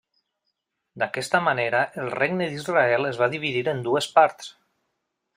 D'aquesta manera el regne d'Israel es va dividir en dues parts.